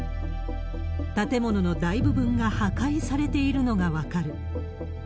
建物の大部分が破壊されているのが分かる。